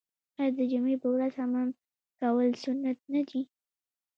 آیا د جمعې په ورځ حمام کول سنت نه دي؟